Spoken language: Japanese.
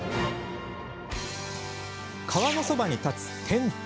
川のそばに立つテント。